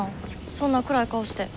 そんな暗い顔して。